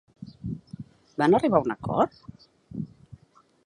Van arribar a un acord?